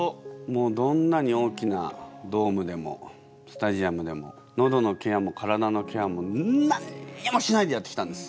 もうどんなに大きなドームでもスタジアムでものどのケアも体のケアも何にもしないでやってきたんです。